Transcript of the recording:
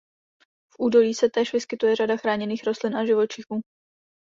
V údolí se též vyskytuje řada chráněných rostlin a živočichů.